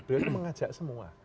beliau itu mengajak semua